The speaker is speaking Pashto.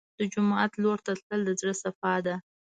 د جومات لور ته تلل د زړه صفا ده.